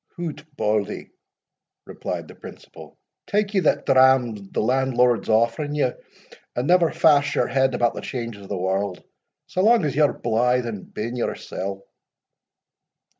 "Hout, Bauldie," replied the principal, "tak ye that dram the landlord's offering ye, and never fash your head about the changes o' the warld, sae lang as ye're blithe and bien yoursell."